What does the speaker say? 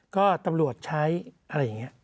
ก็ตำรวจใช้อะไรอย่างนี้